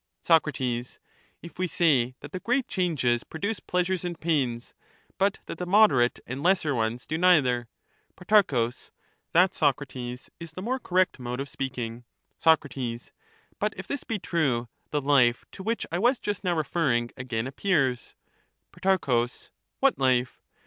Soc, If we say that the great changes produce pleasures and pains, but that the moderate and lesser ones do neither. Pro, That, Socrates, is the more correct mode of speaking. Soc, But if this be true, the life to which I was just now Thus the r ■• neutral life refernng agam appears. reappears. Pro, What life?